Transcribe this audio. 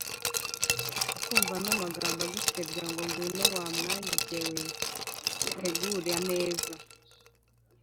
ukumva n’amagambo agusebya, ngo«Ngwino, wa mwage we, utegure ameza,